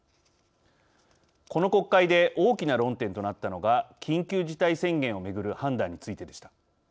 この国会で大きな論点となったのが緊急事態宣言をめぐる判断についてでした。